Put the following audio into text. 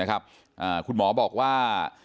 คุณหมอบอกว่า